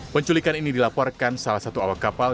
penculikan ini dilaporkan salah satu awak kapal